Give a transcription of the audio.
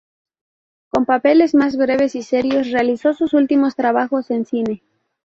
Con papeles más breves y serios, realizó sus últimos trabajos en cine.